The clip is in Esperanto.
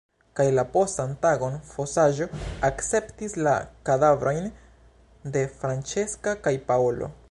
Kaj la postan tagon fosaĵo akceptis la kadavrojn de Francesca kaj Paolo.